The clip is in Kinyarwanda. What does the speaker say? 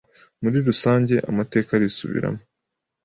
Muri rusange, amateka arisubiramo.